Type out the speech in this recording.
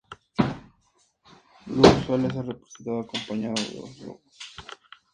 Lug suele ser representado acompañado de dos lobos.